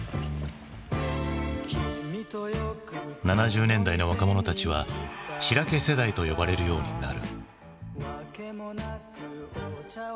７０年代の若者たちは「しらけ世代」と呼ばれるようになる。